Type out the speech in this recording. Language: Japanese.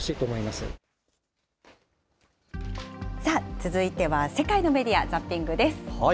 続いては世界のメディア・ザッピングです。